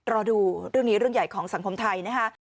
รอดูเรื่องนี้เรื่องใหญ่ของสังคมไทยนะคะ